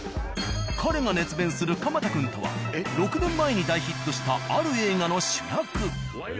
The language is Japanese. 彼が熱弁する「蒲田くん」とは６年前に大ヒットしたある映画の主役。